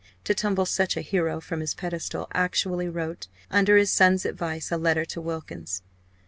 to tumble such a hero from his pedestal, actually wrote, under his son's advice, a letter to Wilkins.